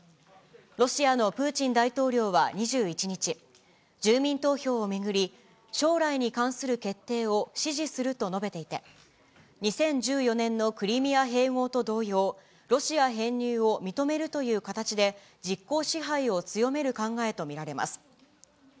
ロシアのプーチン大統領は２１日、住民投票を巡り、将来に関する決定を支持すると述べていて、２０１４年のクリミア併合と同様、ロシア編入を認めるという形で、実効支配を強める考えと見られます。